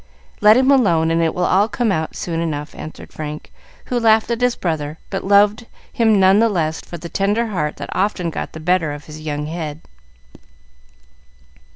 Let him alone, and it will all come out soon enough," answered Frank, who laughed at his brother, but loved him none the less for the tender heart that often got the better of his young head.